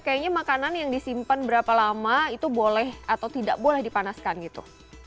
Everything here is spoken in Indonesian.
kayaknya makanan yang disimpan berapa lama itu boleh atau tidak boleh dipanaskan gitu